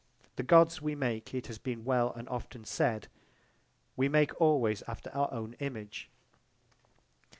The Gods we make, it has been well and often said, we make always after our own image.